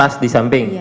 tas di samping